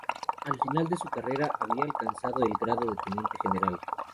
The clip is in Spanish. Al final de su carrera había alcanzado el grado de Teniente general.